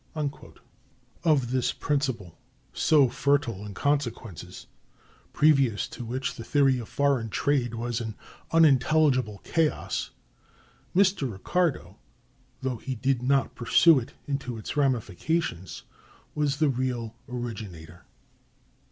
Of this principle, so fertile in consequences, previous to which the theory of foreign trade was an unintelligible chaos, Mr. Ricardo, though he did not pursue it into its ramifications, was the real originator.